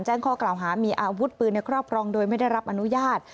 แจ้งข้อกล่าวหามีอาวุธปืนในครอบครองโดยไม่ได้รับอนุญาต